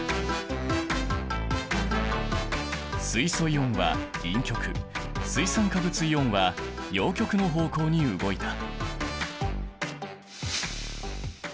水素イオンは陰極水酸化物イオンは陽極の方向に動いた！